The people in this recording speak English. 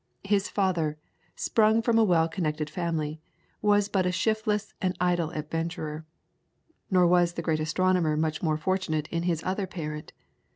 His father, sprung from a well connected family, was but a shiftless and idle adventurer; nor was the great astronomer much more fortunate in his other parent.